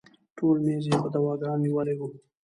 ټول میز یې په دواګانو نیولی و.